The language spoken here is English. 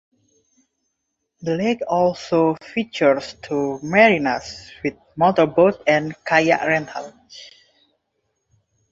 The lake also features two marinas with motorboat and kayak rental.